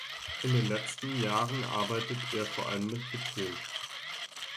In den letzten Jahren arbeitet er vor allem mit Beton.